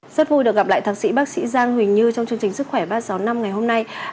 rất vui được gặp lại thạc sĩ bác sĩ giang huỳnh như trong chương trình sức khỏe ba trăm sáu mươi năm ngày hôm nay